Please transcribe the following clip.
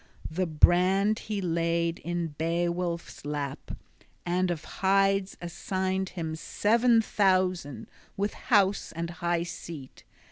The brand he laid in Beowulf's lap; and of hides assigned him seven thousand, {29b} with house and high seat.